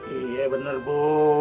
iya bener bu